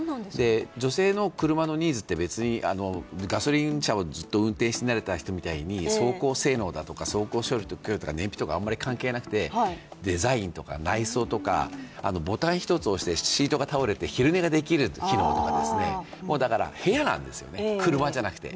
女性の車のニーズって別にガソリン車をずっと運転しなれた人みたいに走行性能だとか走行距離と燃費とかあまり関係なくてデザインとか内装とか、ボタン１つ押してシートが倒れて昼寝ができる機能とか、部屋なんですよね、車じゃなくて。